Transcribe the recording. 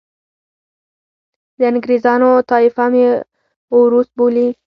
د انګریزانو طایفه مې اوروس بولي.